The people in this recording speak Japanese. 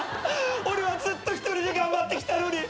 俺はずっと１人で頑張ってきたのに！